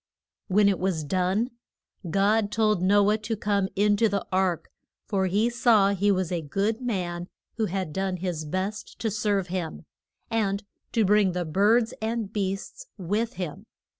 When it was done God told No ah to come in to the ark, for he saw he was a good man who had done his best to serve him, and to bring the birds and beasts with him.